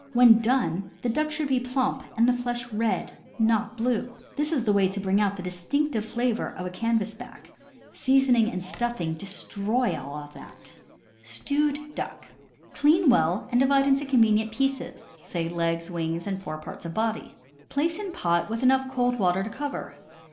When done, the duck should be plump, and the flesh red, not blue. This is the way to bring out the distinctive flavor of a canvasback. Seasoning and stuffing destroy all that. 150 CAMPING AND WOODCRAFT Stewed Duck. — Clean well and divide into convenient pieces (say, legs, wings, and four parts of body). Place in pot with enough cold water to cover.